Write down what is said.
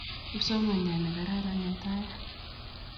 Kipsomamiat ne kararan ng'etaya